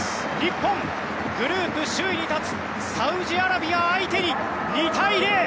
日本、グループ首位に立つサウジアラビア相手に２対０。